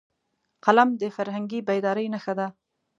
قلم د فرهنګي بیدارۍ نښه ده